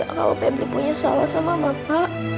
kalau febri punya salah sama bapak